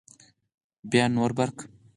بیا نور برق